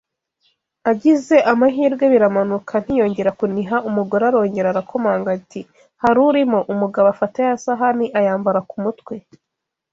Agize amahirwe biramanuka ntiyongera kuniha umugore arongera arakomanga ati Hari urimo Umugabo afata ya sahani ayambara ku mutwe